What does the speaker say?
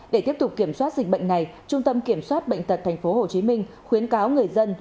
để tiếp tục kiểm soát dịch bệnh này trung tâm kiểm soát bệnh tật tp hcm khuyến cáo người dân